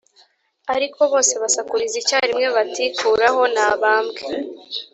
ariko bose basakuriza icyarimwe bati kuraho nabambwe